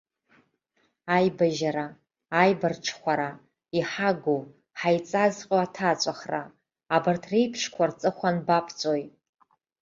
Аибажьара, аибарҽхәара, иҳагу, ҳаиҵазҟьо аҭаҵәахра абарҭ реиԥшқәа рҵыхәа анбаԥҵәои?